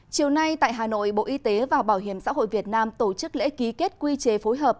chiều nay tại hà nội bộ y tế và bảo hiểm xã hội việt nam tổ chức lễ ký kết quy chế phối hợp